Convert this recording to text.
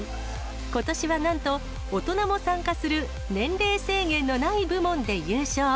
ことしはなんと、大人も参加する年齢制限のない部門で優勝。